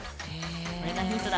これがヒントだ